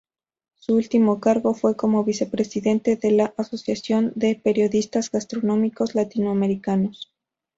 Su último cargo fue como vicepresidente de la Asociación de Periodistas Gastronómicos Latinoamericanos.